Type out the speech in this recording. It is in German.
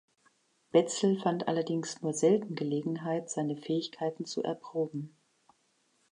Bezzel fand allerdings nur selten Gelegenheit, seine Fähigkeiten zu erproben.